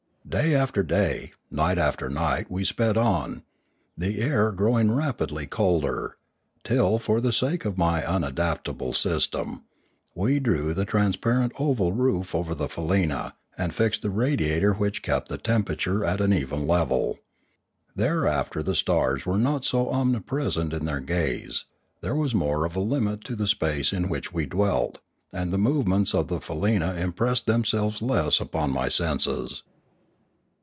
Day after day, night after night, we sped on, the air growing rapidly colder, till, for the sake of my unadapt able system, we drew the transparent oval roof over the faleena and fixed the radiator which kept the tempera ture at an even level. Thereafter the stars were not so omnipresent in their gaze; there was more of a limit to the space in which we dwelt; and the movements of the faleena impressed themselves less upon my senses.